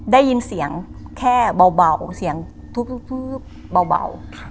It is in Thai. ได้ยินเสียงแค่เบาเสียงทึบเบา